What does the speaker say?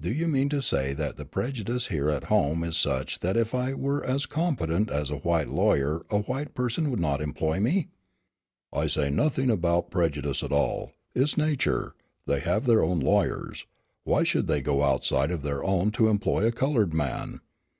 "Do you mean to say that the prejudice here at home is such that if I were as competent as a white lawyer a white person would not employ me?" "I say nothing about prejudice at all. It's nature. They have their own lawyers; why should they go outside of their own to employ a colored man?"